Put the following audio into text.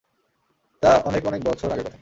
তা অনেক অনেক বছর আগের কথা।